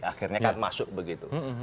akhirnya kan masuk begitu